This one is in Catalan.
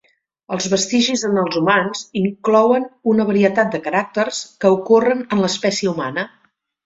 Els vestigis en els humans inclouen una varietat de caràcters que ocorren en l'espècie humana.